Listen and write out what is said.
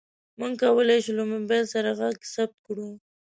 موږ کولی شو له موبایل سره غږ ثبت کړو.